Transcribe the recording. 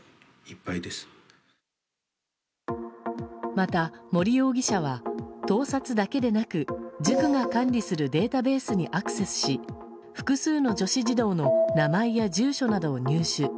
また、森容疑者は盗撮だけでなく塾が管理するデータベースにアクセスし複数の女子児童の名前や住所などを入手。